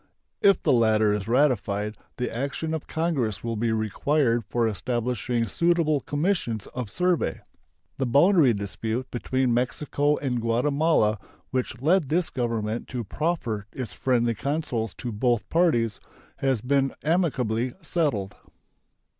If the latter is ratified, the action of Congress will be required for establishing suitable commissions of survey. The boundary dispute between Mexico and Guatemala, which led this Government to proffer its friendly counsels to both parties, has been amicably settled.